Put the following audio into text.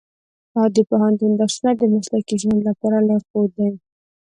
د پوهنتون درسونه د مسلکي ژوند لپاره لارښود دي.